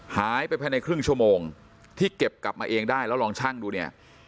หายไปภายในครึ่งชั่วโมงที่เก็บกลับมาเองได้แล้วลองชั่งดูเนี่ย